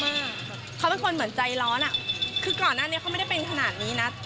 เขาเป็นคนเหมือนใจร้อนอ่ะคือก่อนหน้านี้เขาไม่ได้เป็นขนาดนี้นะ